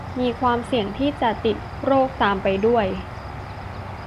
มีความเสี่ยงที่จะติดโรคตามไปด้วย